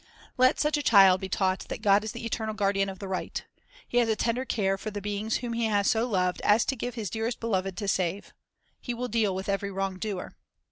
Let such a child be taught that God is the eternal guardian of right. He has a tender care for the beings whom He has so loved as to give His dearest Beloved to save. He will deal with every wrong doer.